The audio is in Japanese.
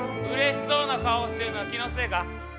うれしそうな顔してるのは気のせいか？